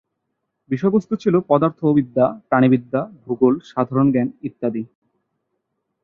বিষয়বস্তু ছিল পদার্থ বিদ্যা, প্রাণীবিদ্যা, ভূগোল, সাধারণ জ্ঞান ইত্যাদি।